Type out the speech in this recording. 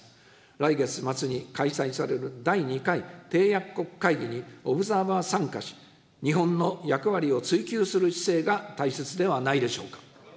来月末に開催される第２回締約国会議にオブザーバー参加し、日本の役割を追求する姿勢が大切ではないでしょうか。